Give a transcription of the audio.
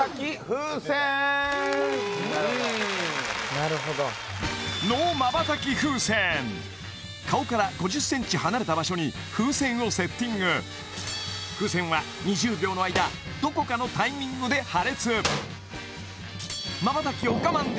なるほど顔から５０ｃｍ離れた場所に風船をセッティング風船は２０秒の間どこかのタイミングで破裂まばたきを我慢できればチャレンジ